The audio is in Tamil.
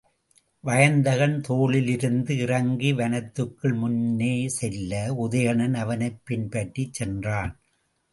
வயந்தகன் தேரிலிருந்து இறங்கி வனத்துக்குள் முன்னே செல்ல, உதயணன் அவனைப் பின்பற்றிச் சென்றான்.